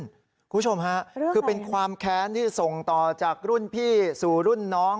คุณผู้ชมค่ะคือเป็นความแค้นที่ส่งต่อจากรุ่นพี่สู่รุ่นน้อง